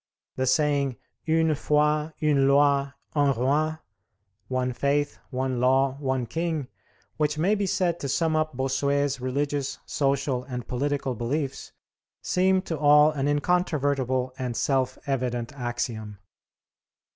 The saying "Une foi, une loi, un roi" (one faith, one law, one king), which may be said to sum up Bossuet's religious, social, and political beliefs, seemed to all an incontrovertible and self evident axiom.